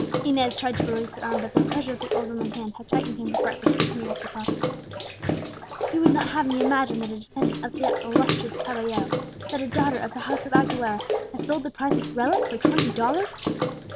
Inez tried to release her arm, but the pressure of the old woman's hand had tightened into a gripe as she continued, after a pause: "You would not have me imagine that a descendant of that illustrious caballero, that a daughter of the house of Aguilera, has sold the priceless relic for twenty dollars?"